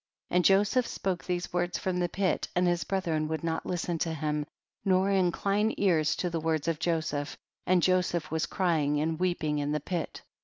32. And Joseph spoke these words from the pit, and his brethren would not listen to him, nor incline ears to the words of Joseph, and Joseph was crying and weeping in the pit.